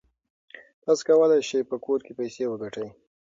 تاسو کولای شئ په کور کې پیسې وګټئ.